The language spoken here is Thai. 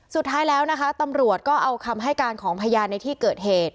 สุดท้ายแล้วนะคะตำรวจก็เอาคำให้การของพยานในที่เกิดเหตุ